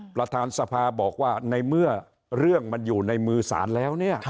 ประธานสภาบอกว่าในเมื่อเรื่องมันอยู่ในมือสารแล้วเนี่ย